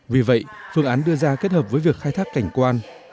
vì vậy phương án đưa ra kết hợp với việc khai thác cảnh quan